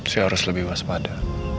saya harus lebih waspada